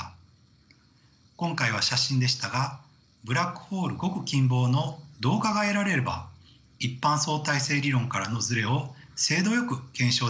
今回は写真でしたがブラックホールごく近傍の動画が得られれば一般相対性理論からのズレを精度よく検証できるでしょう。